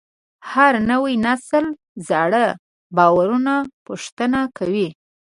هر نوی نسل زاړه باورونه پوښتنه کوي.